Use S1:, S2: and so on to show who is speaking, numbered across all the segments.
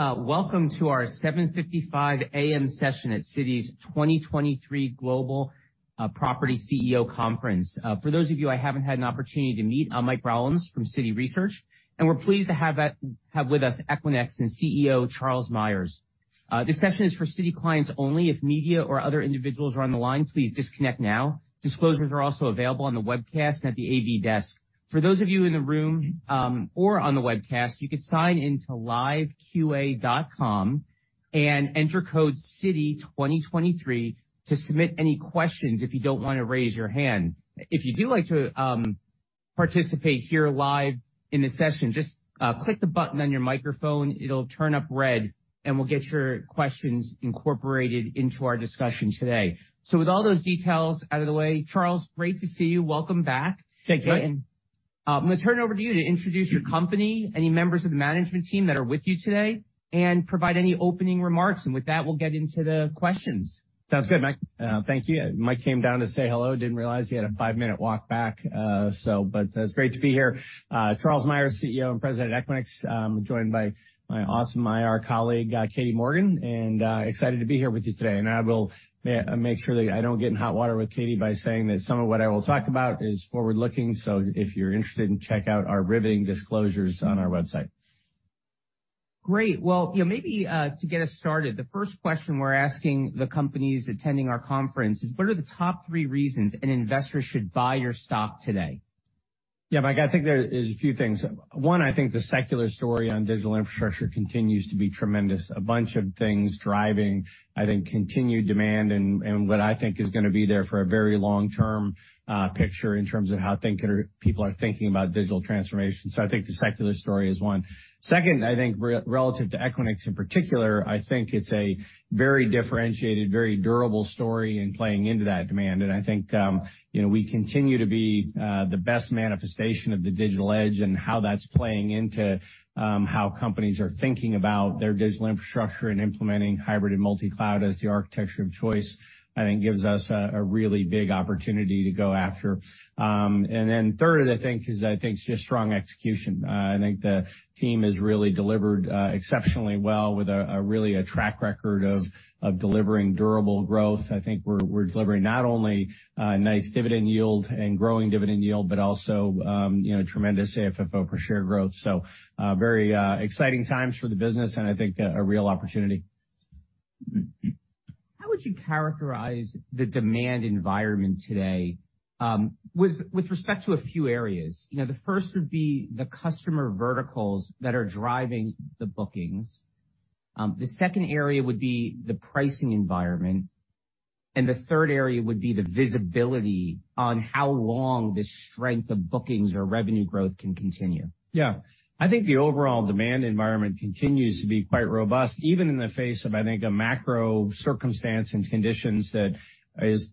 S1: Welcome to our 7:55 A.M. session at Citi's 2023 Global Property CEO Conference. For those of you I haven't had an opportunity to meet, I'm Michael Rollins from Citi Research, we're pleased to have with us Equinix and CEO Charles Meyers. This session is for Citi clients only. Media or other individuals are on the line, please disconnect now. Disclosures are also available on the webcast and at the AV desk. For those of you in the room, or on the webcast, you can sign in to liveqa.com and enter code Citi 2023 to submit any questions if you don't wanna raise your hand. You do like to participate here live in the session, just click the button on your microphone. It'll turn up red, we'll get your questions incorporated into our discussion today. With all those details out of the way, Charles, great to see you. Welcome back.
S2: Thank you.
S1: I'm gonna turn it over to you to introduce your company, any members of the management team that are with you today, and provide any opening remarks. With that, we'll get into the questions.
S2: Sounds good, Mike. Thank you. Mike came down to say hello. Didn't realize he had a 5-minute walk back. It's great to be here. Charles Meyers, CEO and President of Equinix. I'm joined by my awesome IR colleague, Katie Morgan, excited to be here with you today. I will make sure that I don't get in hot water with Katie by saying that some of what I will talk about is forward-looking. If you're interested, check out our riveting disclosures on our website.
S1: Great. You know, maybe, to get us started, the first question we're asking the companies attending our conference is what are the top 3 reasons an investor should buy your stock today?
S2: Yeah, Mike, I think there is a few things. One, I think the secular story on digital infrastructure continues to be tremendous. A bunch of things driving, I think, continued demand and what I think is gonna be there for a very long term picture in terms of how people are thinking about digital transformation. I think the secular story is one. Second, I think relative to Equinix in particular, I think it's a very differentiated, very durable story in playing into that demand. I think, you know, we continue to be the best manifestation of the digital edge and how that's playing into how companies are thinking about their digital infrastructure and implementing hybrid and multicloud as the architecture of choice, I think gives us a really big opportunity to go after. Then third, I think, is just strong execution. I think the team has really delivered exceptionally well with a really a track record of delivering durable growth. I think we're delivering not only nice dividend yield and growing dividend yield, but also, you know, tremendous FFO per share growth. Very exciting times for the business and I think a real opportunity.
S1: How would you characterize the demand environment today, with respect to a few areas? You know, the first would be the customer verticals that are driving the bookings. The second area would be the pricing environment. The third area would be the visibility on how long this strength of bookings or revenue growth can continue.
S2: I think the overall demand environment continues to be quite robust, even in the face of, I think, a macro circumstance and conditions that is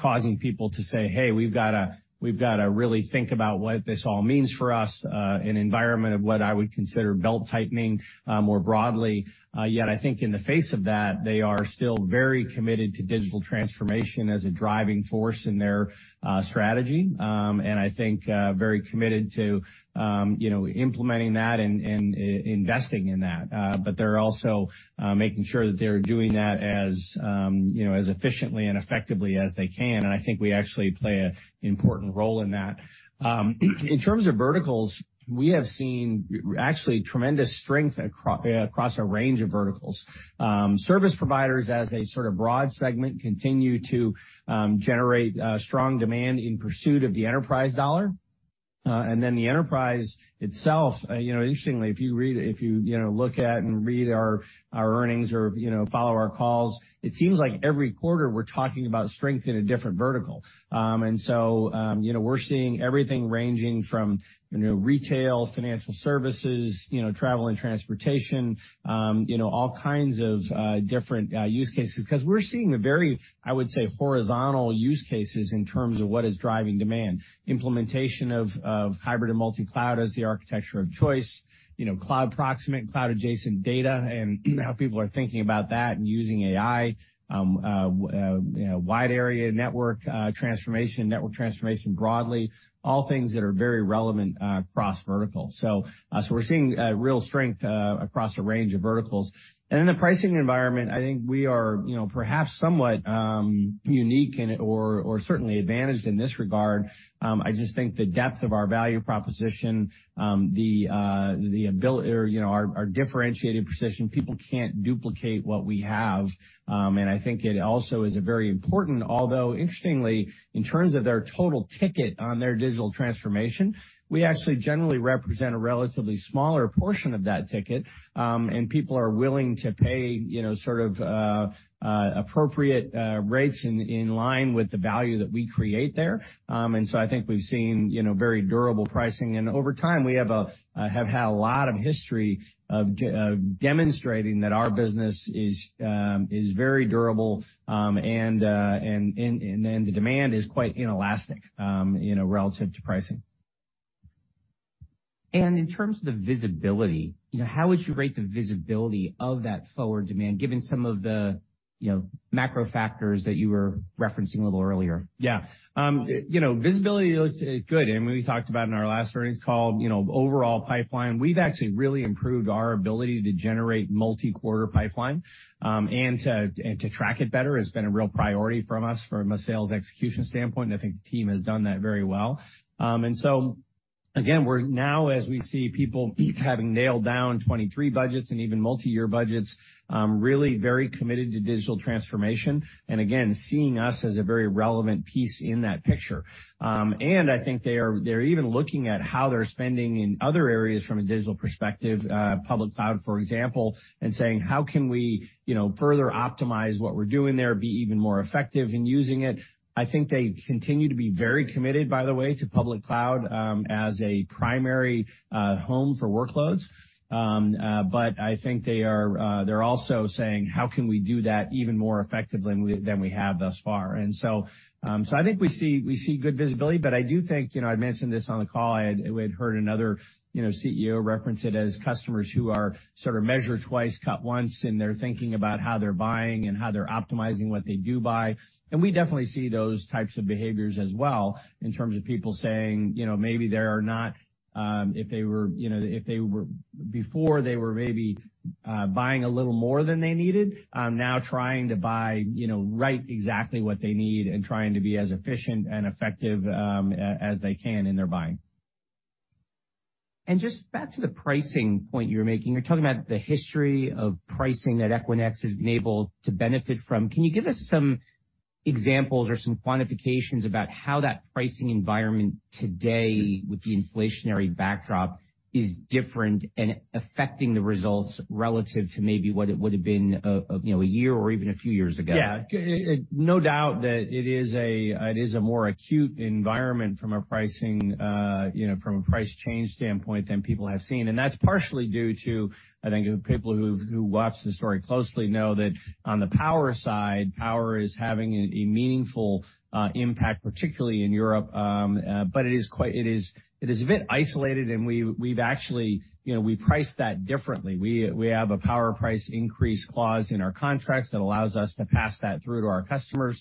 S2: causing people to say, "Hey, we've gotta really think about what this all means for us," an environment of what I would consider belt-tightening more broadly. Yet I think in the face of that, they are still very committed to digital transformation as a driving force in their strategy. I think very committed to, you know, implementing that and investing in that. They're also making sure that they're doing that as, you know, as efficiently and effectively as they can. I think we actually play an important role in that. In terms of verticals, we have seen actually tremendous strength across a range of verticals. Service providers as a sort of broad segment continue to generate strong demand in pursuit of the enterprise dollar. The enterprise itself, you know, interestingly, if you know, look at and read our earnings or, you know, follow our calls, it seems like every quarter we're talking about strength in a different vertical. We're seeing everything ranging from, you know, retail, financial services, you know, travel and transportation, you know, all kinds of different use cases because we're seeing a very, I would say, horizontal use cases in terms of what is driving demand. Implementation of hybrid and multicloud as the architecture of choice, you know, cloud proximate, cloud adjacent data and how people are thinking about that and using AI, you know, wide area network transformation, network transformation broadly, all things that are very relevant across verticals. We're seeing real strength across a range of verticals. In the pricing environment, I think we are, you know, perhaps somewhat unique or certainly advantaged in this regard. I just think the depth of our value proposition, the ability or, you know, our differentiated position, people can't duplicate what we have. I think it also is a very important although interestingly, in terms of their total ticket on their digital transformation, we actually generally represent a relatively smaller portion of that ticket, and people are willing to pay, you know, sort of, appropriate, rates in line with the value that we create there. I think we've seen, you know, very durable pricing. Over time, we have had a lot of history of demonstrating that our business is very durable, and then the demand is quite inelastic, you know, relative to pricing.
S1: In terms of the visibility, you know, how would you rate the visibility of that forward demand, given, you know, macro factors that you were referencing a little earlier?
S2: Yeah, you know, visibility looks good, and we talked about in our last earnings call, you know, overall pipeline. We've actually really improved our ability to generate multi-quarter pipeline, and to track it better has been a real priority from us from a sales execution standpoint. I think the team has done that very well. Again, we're now as we see people having nailed down 2023 budgets and even multi-year budgets, really very committed to digital transformation, and again, seeing us as a very relevant piece in that picture. I think they are, they're even looking at how they're spending in other areas from a digital perspective, public cloud, for example, and saying, "How can we, you know, further optimize what we're doing there, be even more effective in using it?" I think they continue to be very committed, by the way, to public cloud, as a primary home for workloads. I think they are, they're also saying, "How can we do that even more effectively than we have thus far?" I think we see, we see good visibility, but I do think, you know, I mentioned this on the call, I, we had heard another, you know, CEO reference it as customers who are sort of measure twice, cut once, and they're thinking about how they're buying and how they're optimizing what they do buy. We definitely see those types of behaviors as well in terms of people saying, you know, maybe they are not, before they were maybe, buying a little more than they needed, now trying to buy, you know, right, exactly what they need and trying to be as efficient and effective, as they can in their buying.
S1: Just back to the pricing point you're making. You're talking about the history of pricing that Equinix has been able to benefit from. Can you give us some examples or some quantifications about how that pricing environment today with the inflationary backdrop is different and affecting the results relative to maybe what it would have been, you know, a year or even a few years ago?
S2: Yeah. No doubt that it is a, it is a more acute environment from a pricing, you know, from a price change standpoint than people have seen. That's partially due to, I think people who watch the story closely know that on the power side, power is having a meaningful impact, particularly in Europe. It is a bit isolated, and we've actually, you know, we price that differently. We have a power price increase clause in our contracts that allows us to pass that through to our customers.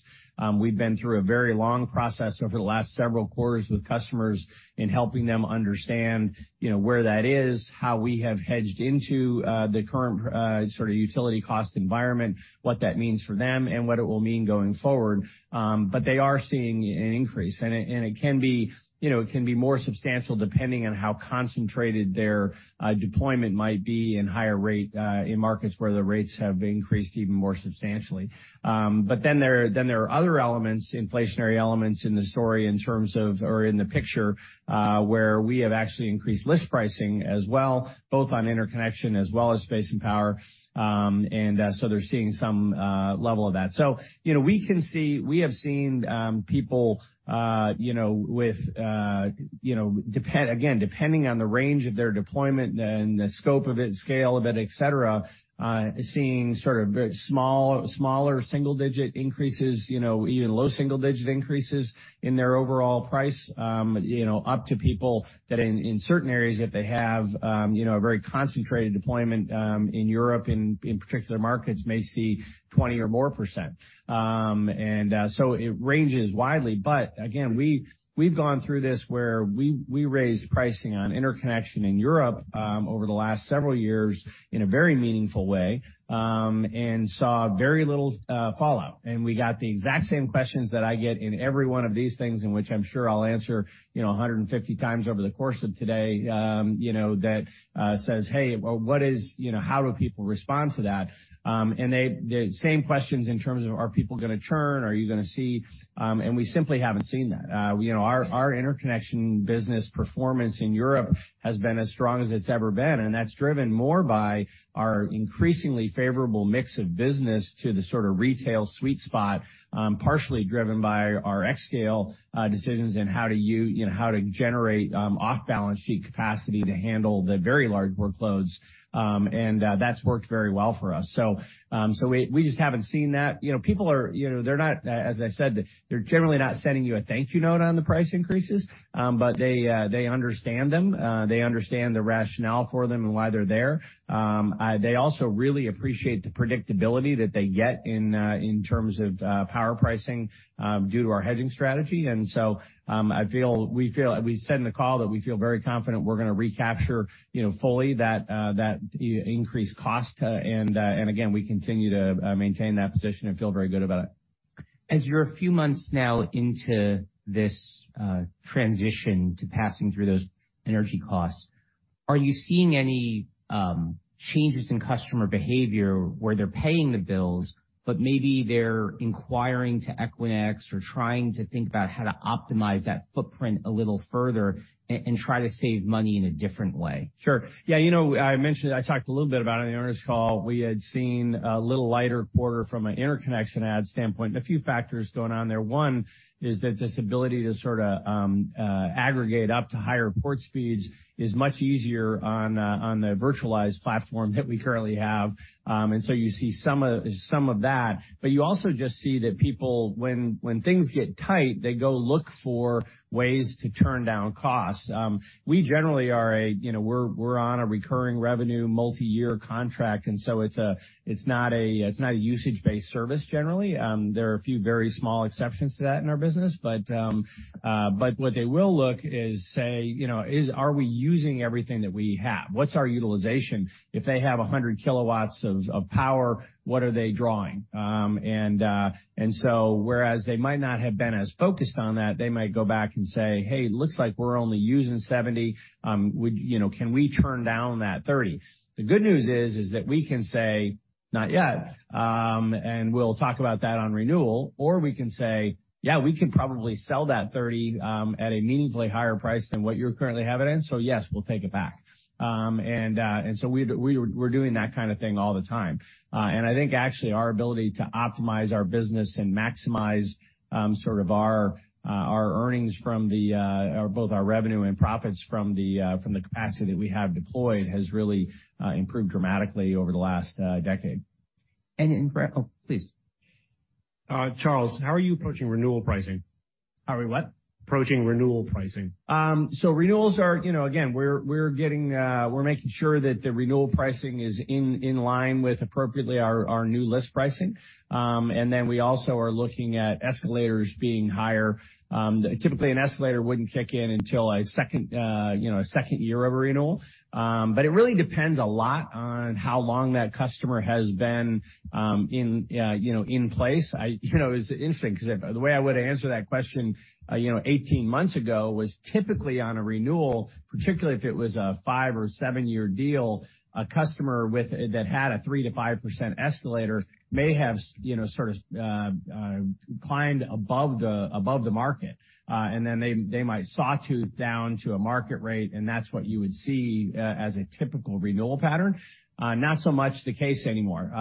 S2: We've been through a very long process over the last several quarters with customers in helping them understand, you know, where that is, how we have hedged into the current sort of utility cost environment, what that means for them, and what it will mean going forward. They are seeing an increase. It can be, you know, it can be more substantial depending on how concentrated their deployment might be in higher rate in markets where the rates have increased even more substantially. Then there are other elements, inflationary elements in the story in terms of or in the picture, where we have actually increased list pricing as well, both on interconnection as well as space and power. They're seeing some level of that. You know, we have seen people, you know, with, you know, again, depending on the range of their deployment and the scope of it, scale of it, et cetera, seeing sort of small, smaller single-digit increases, you know, even low single-digit increases in their overall price, you know, up to people that in certain areas, if they have, you know, a very concentrated deployment in Europe, in particular markets may see 20% or more. It ranges widely. Again, we've gone through this where we raised pricing on interconnection in Europe over the last several years in a very meaningful way and saw very little fallout. We got the exact same questions that I get in every one of these things, in which I'm sure I'll answer, you know, 150 times over the course of today, you know, that says, "Hey, what is, you know, how do people respond to that?" The same questions in terms of, are people gonna churn? We simply haven't seen that. You know, our interconnection business performance in Europe has been as strong as it's ever been, and that's driven more by our increasingly favorable mix of business to the sort of retail sweet spot, partially driven by our xScale decisions in how to you know, how to generate off-balance sheet capacity to handle the very large workloads. That's worked very well for us. We, we just haven't seen that. You know, people are, you know, they're not, as I said, they're generally not sending you a thank you note on the price increases, they understand them. They understand the rationale for them and why they're there. They also really appreciate the predictability that they get in terms of power pricing due to our hedging strategy. We feel, we said in the call that we feel very confident we're gonna recapture, you know, fully that increased cost. Again, we continue to maintain that position and feel very good about it.
S1: As you're a few months now into this, transition to passing through those energy costs? Are you seeing any changes in customer behavior where they're paying the bills, but maybe they're inquiring to Equinix or trying to think about how to optimize that footprint a little further and try to save money in a different way?
S2: Sure. Yeah, you know, I talked a little bit about it in the earnings call. We had seen a little lighter quarter from an interconnection add standpoint. A few factors going on there. One is that this ability to sort of aggregate up to higher port speeds is much easier on the virtualized platform that we currently have. You see some of that. You also just see that people, when things get tight, they go look for ways to turn down costs. We generally are a, you know, we're on a recurring revenue multiyear contract. It's not a usage-based service generally. There are a few very small exceptions to that in our business, but what they will look is say, you know, is are we using everything that we have? What's our utilization? If they have 100 kilowatts of power, what are they drawing? Whereas they might not have been as focused on that, they might go back and say, "Hey, looks like we're only using 70. Would, you know, can we turn down that 30?" The good news is that we can say, "Not yet, and we'll talk about that on renewal." We can say, "Yeah, we can probably sell that 30, at a meaningfully higher price than what you're currently having it in. Yes, we'll take it back." We're doing that kind of thing all the time. I think actually our ability to optimize our business and maximize sort of our earnings from the or both our revenue and profits from the from the capacity that we have deployed has really improved dramatically over the last decade. Oh, please.
S1: Charles, how are you approaching renewal pricing?
S2: How are we what?
S1: Approaching renewal pricing.
S2: Renewals are, you know, again, we're getting, we're making sure that the renewal pricing is in line with appropriately our new list pricing. We also are looking at escalators being higher. Typically an escalator wouldn't kick in until a second, you know, a second year of a renewal. It really depends a lot on how long that customer has been, you know, in place. I, you know, it's interesting 'cause the way I would answer that question, you know, 18 months ago, was typically on a renewal, particularly if it was a five or seven year deal, a customer that had a 3%-5% escalator may have you know, sort of, climbed above the market. They, they might sawtooth down to a market rate, and that's what you would see as a typical renewal pattern. Not so much the case anymore.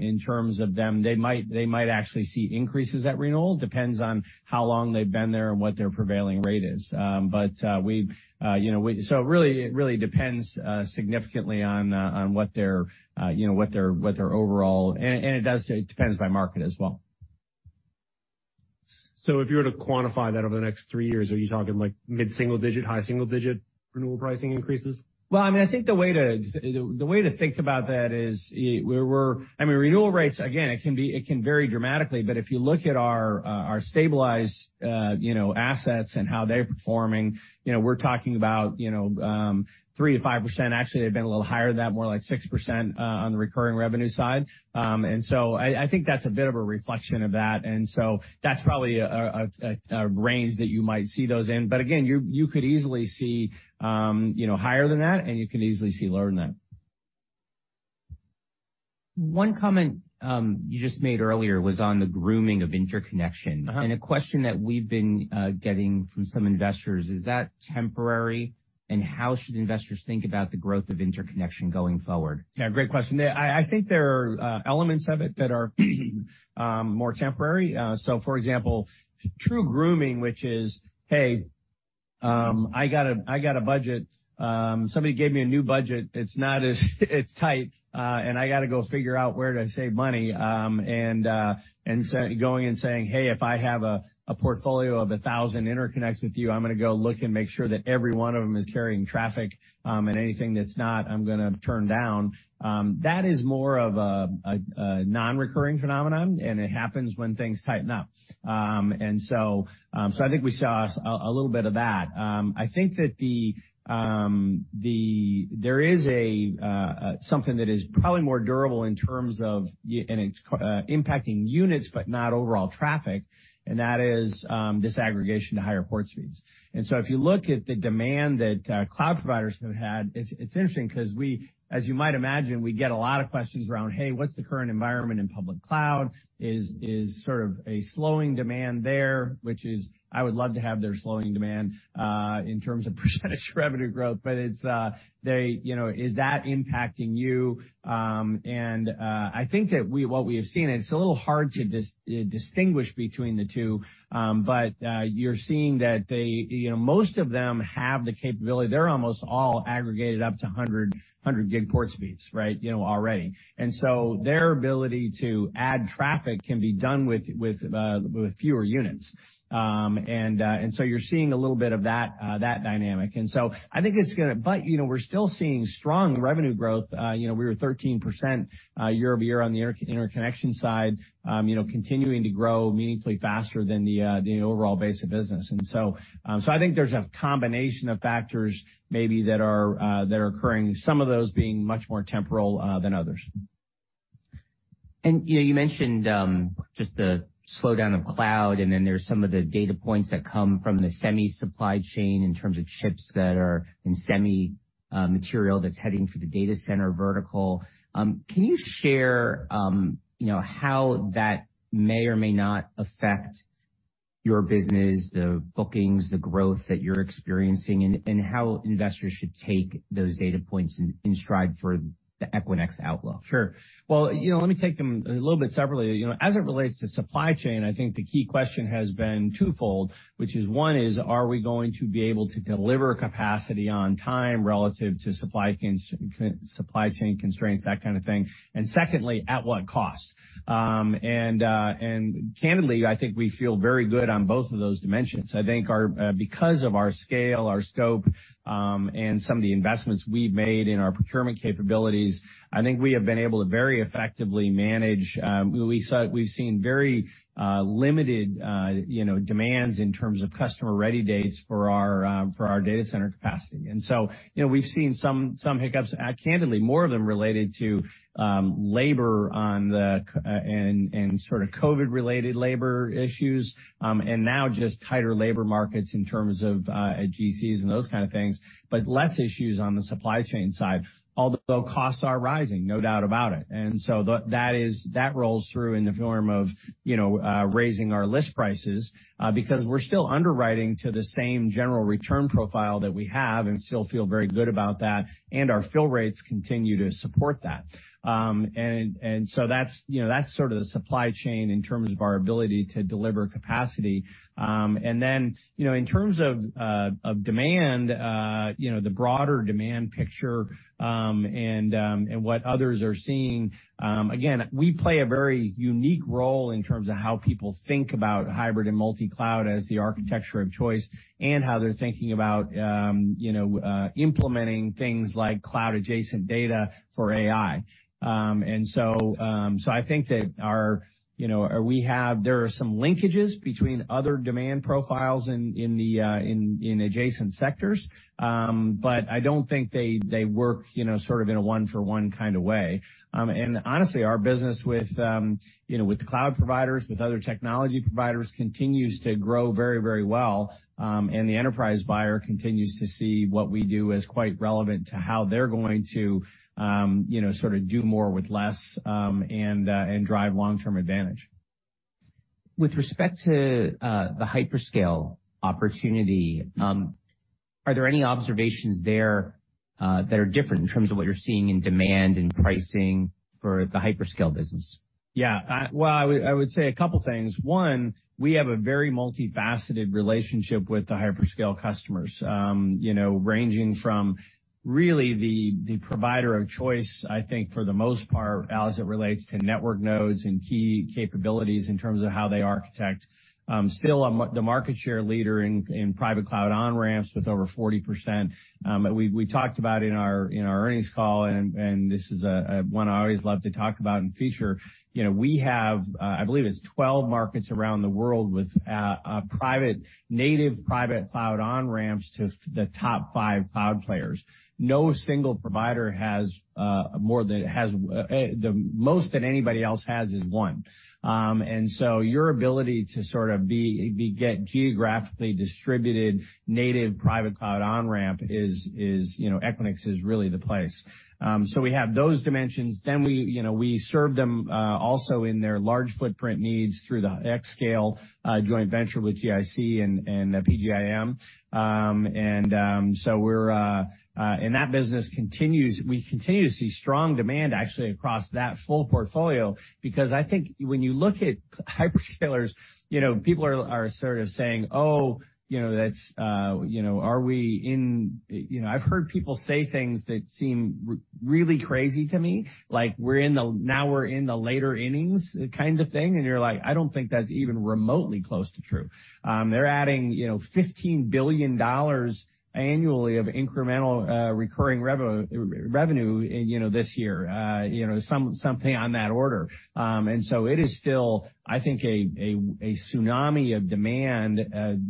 S2: In terms of them, they might, they might actually see increases at renewal. Depends on how long they've been there and what their prevailing rate is. We've, you know, It really, it really depends significantly on what their, you know, what their, what their overall... It does, it depends by market as well.
S1: If you were to quantify that over the next 3 years, are you talking like mid-single digit, high single digit renewal pricing increases?
S2: I mean, I think the way to think about that is we're I mean, renewal rates, again, it can vary dramatically, but if you look at our stabilized, you know, assets and how they're performing, you know, we're talking about, you know, 3%-5%. Actually, they've been a little higher than that, more like 6% on the recurring revenue side. I think that's a bit of a reflection of that. That's probably a range that you might see those in. Again, you could easily see, you know, higher than that, and you could easily see lower than that.
S1: One comment, you just made earlier was on the grooming of interconnection.
S2: Uh-huh.
S1: A question that we've been getting from some investors, is that temporary, and how should investors think about the growth of interconnection going forward?
S2: Yeah, great question. I think there are elements of it that are more temporary. For example, true grooming, which is, hey, I got a budget. Somebody gave me a new budget. It's not as it's tight, and I gotta go figure out where to save money. Say, going and saying, "Hey, if I have a portfolio of 1,000 interconnects with you, I'm gonna go look and make sure that every one of them is carrying traffic, and anything that's not, I'm gonna turn down." That is more of a non-recurring phenomenon, and it happens when things tighten up. I think we saw a little bit of that. I think that the... There is something that is probably more durable in terms of and it's impacting units, but not overall traffic, and that is disaggregation to higher port speeds. If you look at the demand that cloud providers have had, it's interesting 'cause we, as you might imagine, we get a lot of questions around, hey, what's the current environment in public cloud? Is sort of a slowing demand there? Which is, I would love to have their slowing demand in terms of % revenue growth. It's, they, you know, is that impacting you? I think that what we have seen, it's a little hard to distinguish between the two, you're seeing that they, you know, most of them have the capability. They're almost all aggregated up to 100 gig port speeds, right? You know, already. Their ability to add traffic can be done with fewer units. You're seeing a little bit of that dynamic. You know, we're still seeing strong revenue growth. You know, we were 13% year-over-year on the interconnection side, you know, continuing to grow meaningfully faster than the overall base of business. I think there's a combination of factors maybe that are occurring, some of those being much more temporal than others.
S1: You know, you mentioned just the slowdown of cloud, and then there's some of the data points that come from the semi supply chain in terms of chips that are in semi material that's heading for the data center vertical. Can you share, you know, how that may or may not affect your business, the bookings, the growth that you're experiencing, and how investors should take those data points in stride for the Equinix outlook?
S2: Sure. Well, you know, let me take them a little bit separately. You know, as it relates to supply chain, I think the key question has been twofold, which is one is, are we going to be able to deliver capacity on time relative to supply chain constraints, that kind of thing. Secondly, at what cost? Candidly, I think we feel very good on both of those dimensions. I think our, because of our scale, our scope, and some of the investments we've made in our procurement capabilities, I think we have been able to very effectively manage. We've seen very, limited, you know, demands in terms of customer-ready dates for our, for our data center capacity. So, you know, we've seen some hiccups. Candidly, more of them related to labor on the and sort of COVID-related labor issues, and now just tighter labor markets in terms of GCs and those kind of things, but less issues on the supply chain side. Although costs are rising, no doubt about it. The, that is, that rolls through in the form of, you know, raising our list prices, because we're still underwriting to the same general return profile that we have and still feel very good about that, and our fill rates continue to support that. That's, you know, that's sort of the supply chain in terms of our ability to deliver capacity. en, you know, in terms of demand, you know, the broader demand picture, and what others are seeing, again, we play a very unique role in terms of how people think about hybrid and multicloud as the architecture of choice and how they're thinking about implementing things like cloud-adjacent data for AI. I think that our, you know, there are some linkages between other demand profiles in adjacent sectors, but I don't think they work, you know, sort of in a one-for-one kinda way Honestly, our business with, you know, with cloud providers, with other technology providers continues to grow very, very well, and the enterprise buyer continues to see what we do as quite relevant to how they're going to, you know, sort of do more with less, and drive long-term advantage.
S1: With respect to the hyperscale opportunity, are there any observations there that are different in terms of what you're seeing in demand and pricing for the hyperscale business?
S2: Yeah. Well, I would say a couple things. One, we have a very multifaceted relationship with the hyperscale customers, you know, ranging from really the provider of choice, I think, for the most part, Al, as it relates to network nodes and key capabilities in terms of how they architect. Still the market share leader in private cloud on-ramps with over 40%. We talked about in our earnings call, and this is one I always love to talk about and feature. You know, we have, I believe it's 12 markets around the world with private, native private cloud on-ramps to the top five cloud players. No single provider has more than Has the most that anybody else has is one. Your ability to sort of be get geographically distributed native private cloud on-ramp is, you know, Equinix is really the place. We have those dimensions. We, you know, we serve them also in their large footprint needs through the xScale joint venture with GIC and PGIM. That business continues. We continue to see strong demand actually across that full portfolio because I think when you look at hyperscalers, you know, people are sort of saying, "Oh, you know, that's, you know, are we in..." You know, I've heard people say things that seem really crazy to me, like now we're in the later innings kind of thing, and you're like, I don't think that's even remotely close to true. They're adding, you know, $15 billion annually of incremental, recurring revenue, you know, this year. You know, something on that order. It is still, I think, a tsunami of demand,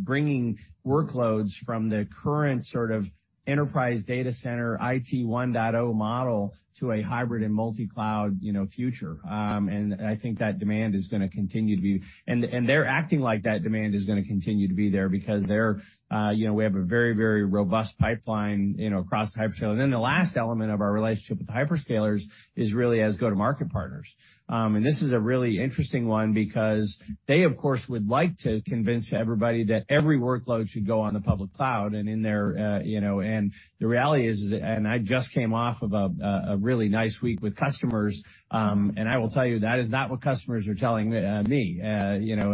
S2: bringing workloads from the current sort of enterprise data center IT 1.0 model to a hybrid and multicloud, you know, future. I think that demand is gonna continue to be. They're acting like that demand is gonna continue to be there because they're, you know, we have a very, very robust pipeline, you know, across the hyperscale. The last element of our relationship with hyperscalers is really as go-to-market partners. This is a really interesting one because they, of course, would like to convince everybody that every workload should go on the public cloud and in their, you know. The reality is, and I just came off of a really nice week with customers, and I will tell you that is not what customers are telling me. You know,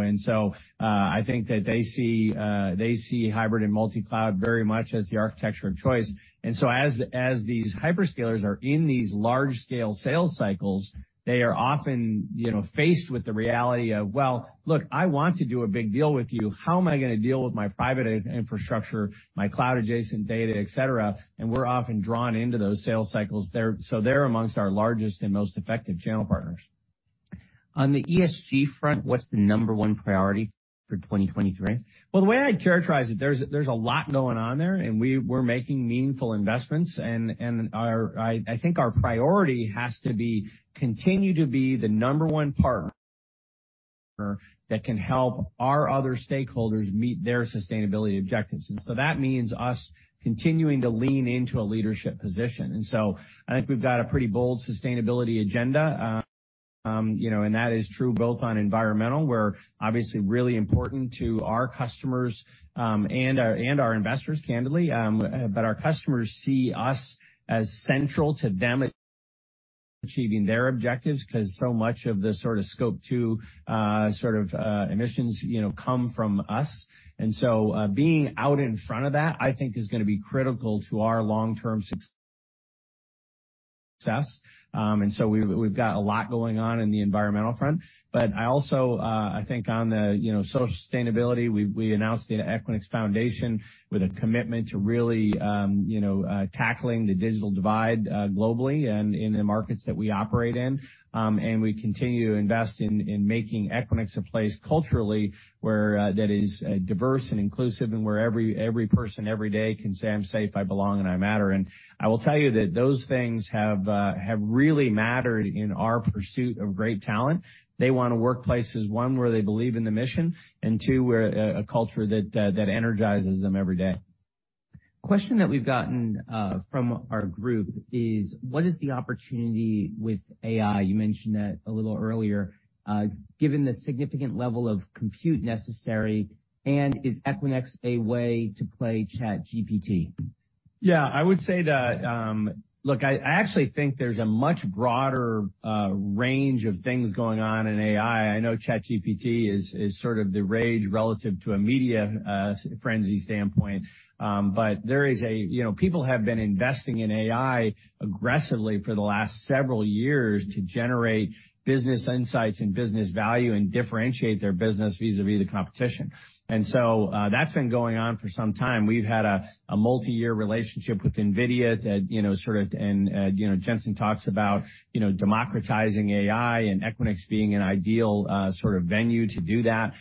S2: I think that they see hybrid and multicloud very much as the architecture of choice. As these hyperscalers are in these large-scale sales cycles, they are often, you know, faced with the reality of, well, look, I want to do a big deal with you. How am I gonna deal with my private infrastructure, my cloud-adjacent data, et cetera? We're often drawn into those sales cycles. They're amongst our largest and most effective channel partners.
S1: On the ESG front, what's the number one priority for 2023?
S2: Well, the way I'd characterize it, there's a lot going on there, we're making meaningful investments and our, I think our priority has to be continue to be the number one partner that can help our other stakeholders meet their sustainability objectives. That means us continuing to lean into a leadership position. I think we've got a pretty bold sustainability agenda, you know, and that is true both on environmental, where obviously really important to our customers and our investors, candidly. Our customers see us as central to them achieving their objectives 'cause so much of the sort of Scope 2 emissions, you know, come from us. Being out in front of that, I think is gonna be critical to our long-term success. We've, we've got a lot going on in the environmental front. But I also, I think on the, you know, social sustainability, we announced the Equinix Foundation with a commitment to really, tackling the digital divide globally and in the markets that we operate in. We continue to invest in making Equinix a place culturally where that is diverse and inclusive and where every person every day can say, "I'm safe, I belong, and I matter." I will tell you that those things have really mattered in our pursuit of great talent. They want a workplace as, one, where they believe in the mission, and two, where a culture that energizes them every day.
S1: Question that we've gotten, from our group is what is the opportunity with AI, you mentioned that a little earlier, given the significant level of compute necessary, and is Equinix a way to play ChatGPT?
S2: Yeah. I would say that. Look, I actually think there's a much broader range of things going on in AI. I know ChatGPT is sort of the rage relative to a media frenzy standpoint. There is a, you know, people have been investing in AI aggressively for the last several years to generate business insights and business value and differentiate their business vis-a-vis the competition. That's been going on for some time. We've had a multi-year relationship with NVIDIA that, you know, sort of, and, you know, Jensen talks about, you know, democratizing AI and Equinix being an ideal sort of venue to do that.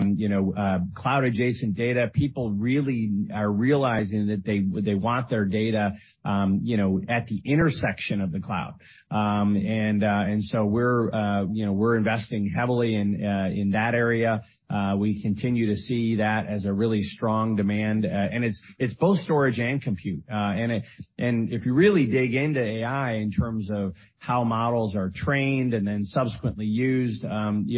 S2: You know, cloud adjacent data, people really are realizing that they want their data, you know, at the intersection of the cloud. We're, you know, we're investing heavily in that area. We continue to see that as a really strong demand. It's both storage and compute. If you really dig into AI in terms of how models are trained and then subsequently used, you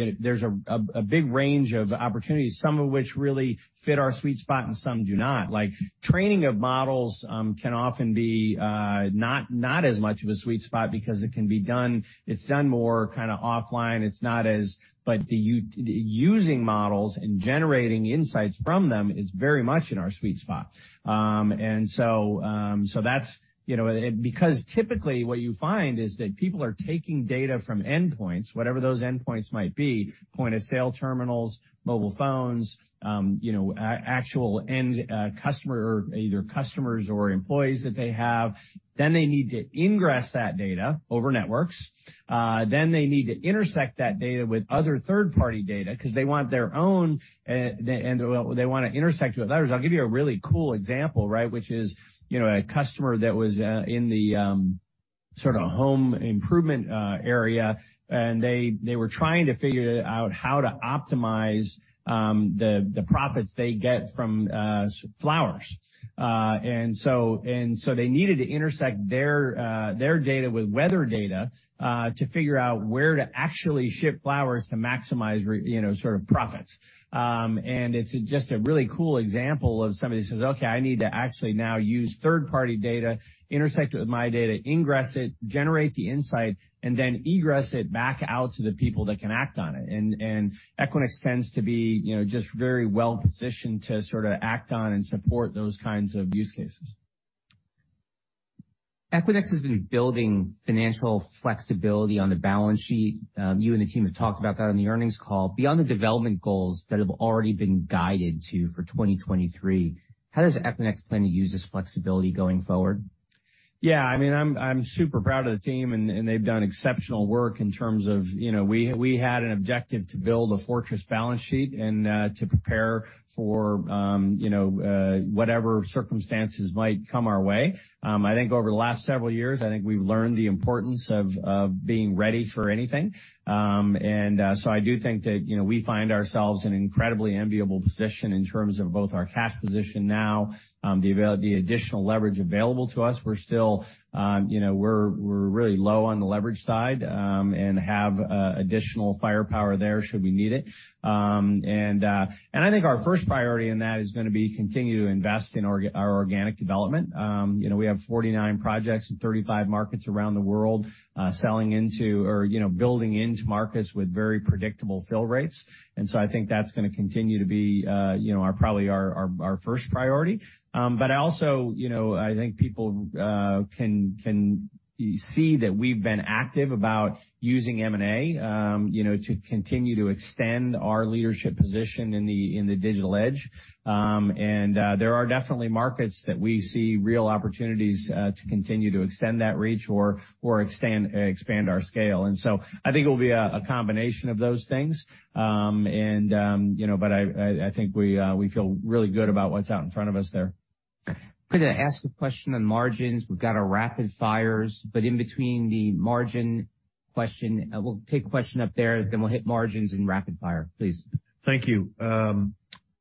S2: know, there's a big range of opportunities, some of which really fit our sweet spot and some do not. Like, training of models can often be not as much of a sweet spot because It's done more kinda offline. The using models and generating insights from them is very much in our sweet spot. That's, you know... Typically what you find is that people are taking data from endpoints, whatever those endpoints might be, point-of-sale terminals, mobile phones, you know, actual end, customer, either customers or employees that they have. They need to ingress that data over networks. They need to intersect that data with other third-party data 'cause they want their own, and they want to intersect with others. I'll give you a really cool example, right? Which is, you know, a customer that was in the sort of home improvement area, and they were trying to figure out how to optimize the profits they get from flowers. They needed to intersect their data with weather data to figure out where to actually ship flowers to maximize you know, sort of profits. It's just a really cool example of somebody says, "Okay, I need to actually now use third-party data, intersect it with my data, ingress it, generate the insight, and then egress it back out to the people that can act on it." Equinix tends to be, you know, just very well positioned to sort of act on and support those kinds of use cases.
S1: Equinix has been building financial flexibility on the balance sheet. you and the team have talked about that on the earnings call. Beyond the development goals that have already been guided to for 2023, how does Equinix plan to use this flexibility going forward?
S2: Yeah. I mean, I'm super proud of the team and they've done exceptional work in terms of, you know, we had an objective to build a fortress balance sheet and to prepare for, you know, whatever circumstances might come our way. I think over the last several years, I think we've learned the importance of being ready for anything. So I do think that, you know, we find ourselves in an incredibly enviable position in terms of both our cash position now, the additional leverage available to us. We're still, you know, we're really low on the leverage side, and have additional firepower there should we need it. I think our first priority in that is gonna be continue to invest in our organic development. you know, we have 49 projects in 35 markets around the world, selling into or, you know, building into markets with very predictable fill rates. I think that's gonna continue to be, you know, our, probably our first priority. but also, you know, I think people can see that we've been active about using M&A, you know, to continue to extend our leadership position in the, in the digital edge. and there are definitely markets that we see real opportunities to continue to extend that reach or expand our scale. I think it'll be a combination of those things. and, you know, but I think we feel really good about what's out in front of us there.
S1: Could I ask a question on margins? We've got our rapid fires, but in between the margin question, we'll take a question up there, then we'll hit margins and rapid fire, please.
S3: Thank you.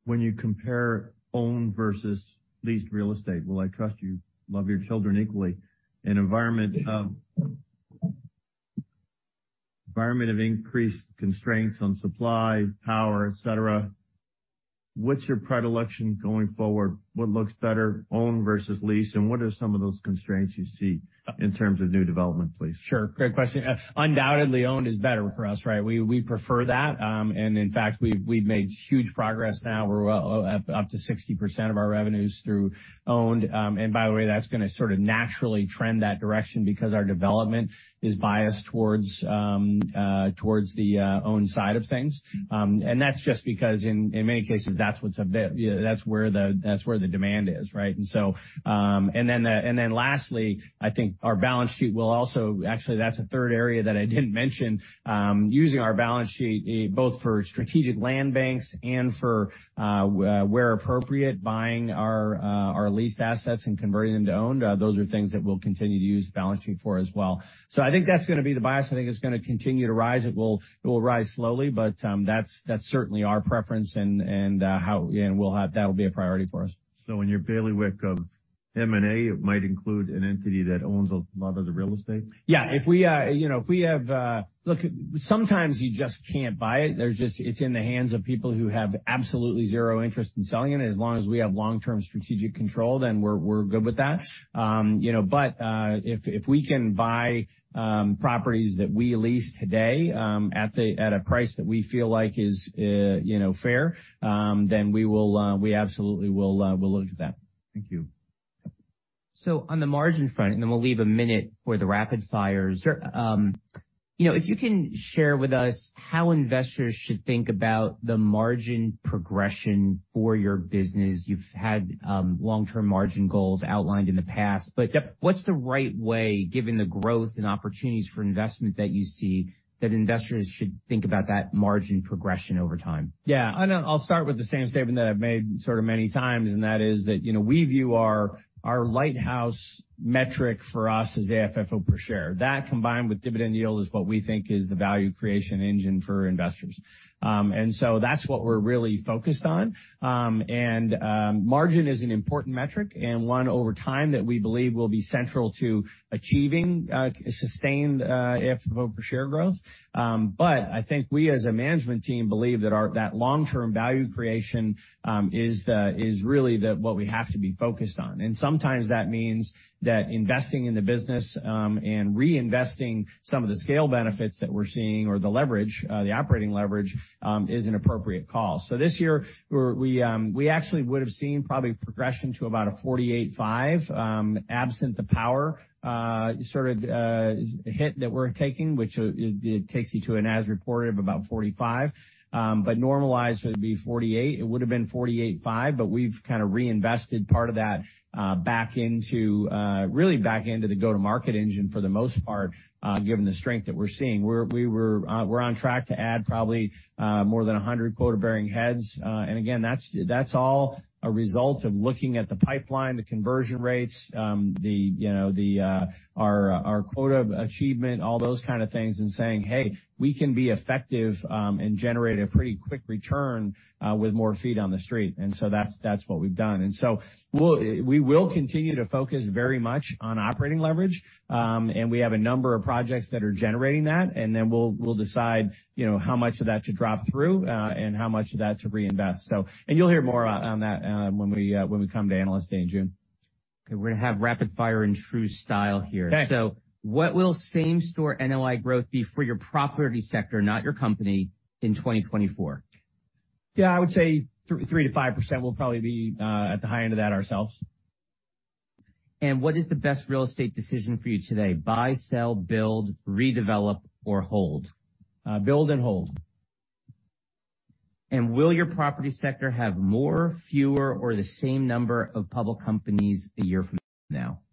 S3: When you compare owned versus leased real estate, well, I trust you love your children equally. In environment of increased constraints on supply, power, et cetera, what's your predilection going forward? What looks better, owned versus leased, and what are some of those constraints you see in terms of new development, please?
S2: Sure. Great question. Undoubtedly, owned is better for us, right? We prefer that. In fact, we've made huge progress now. We're well up to 60% of our revenues through owned. By the way, that's gonna sort of naturally trend that direction because our development is biased towards the owned side of things. That's just because in many cases, that's what's available. That's where the demand is, right? Lastly, I think our balance sheet will also. Actually, that's a third area that I didn't mention, using our balance sheet, both for strategic land banks and for, where appropriate, buying our leased assets and converting them to owned. Those are things that we'll continue to use the balance sheet for as well. I think that's gonna be the bias. I think it's gonna continue to rise. It will rise slowly, but that's certainly our preference and that'll be a priority for us.
S3: In your bailiwick of M&A, it might include an entity that owns a lot of the real estate?
S2: Yeah. If we, you know, if we have. Look, sometimes you just can't buy it. There's just. It's in the hands of people who have absolutely zero interest in selling it. As long as we have long-term strategic control, then we're good with that. You know, if we can buy, properties that we lease today, at a price that we feel like is, you know, fair, then we will, we absolutely will look at that.
S3: Thank you.
S1: On the margin front, and then we'll leave a minute for the rapid fires.
S2: Sure.
S1: You know, if you can share with us how investors should think about the margin progression for your business. You've had long-term margin goals outlined in the past.
S2: Yep.
S1: What's the right way, given the growth and opportunities for investment that you see, that investors should think about that margin progression over time?
S2: Yeah. I'll start with the same statement that I've made sort of many times, and that is that, you know, we view our lighthouse metric for us as AFFO per share. That combined with dividend yield is what we think is the value creation engine for investors. That's what we're really focused on. Margin is an important metric and one over time that we believe will be central to achieving sustained AFFO per share growth. I think we, as a management team, believe that long-term value creation is really what we have to be focused on. Sometimes that means that investing in the business, and reinvesting some of the scale benefits that we're seeing or the leverage, the operating leverage, is an appropriate call. This year we actually would have seen probably progression to about 48-5, absent the power sort of hit that we're taking, which it takes you to an as reported of about 45. But normalized would be 48. It would've been 48-5, but we've kinda reinvested part of that back into really back into the go-to-market engine for the most part, given the strength that we're seeing. We were on track to add probably more than 100 quota-bearing heads. Again, that's all a result of looking at the pipeline, the conversion rates, the, you know, our quota achievement, all those kind of things, and saying, "Hey, we can be effective, and generate a pretty quick return, with more feet on the street." That's what we've done. We will continue to focus very much on operating leverage. We have a number of projects that are generating that, and then we will decide, you know, how much of that to drop through, and how much of that to reinvest. You'll hear more on that, when we come to Analyst Day in June.
S1: Okay, we're gonna have rapid fire in true style here.
S2: Okay.
S1: What will same-store NOI growth be for your property sector, not your company, in 2024?
S2: Yeah, I would say 3%-5%. We'll probably be at the high end of that ourselves.
S1: What is the best real estate decision for you today: buy, sell, build, redevelop, or hold?
S2: Build and hold.
S1: Will your property sector have more, fewer, or the same number of public companies a year from now?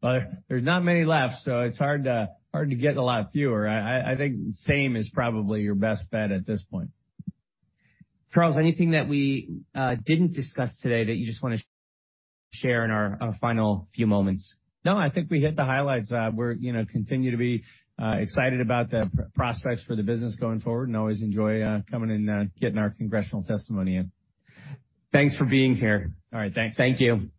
S2: Well, there's not many left, so it's hard to get a lot fewer. I think same is probably your best bet at this point.
S1: Charles, anything that we didn't discuss today that you just wanna share in our final few moments?
S2: No, I think we hit the highlights. We're, you know, continue to be excited about the prospects for the business going forward and always enjoy coming and getting our congressional testimony in.
S1: Thanks for being here.
S2: All right. Thanks.
S1: Thank you.